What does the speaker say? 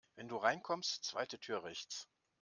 Wenn du reinkommst, zweite Tür rechts.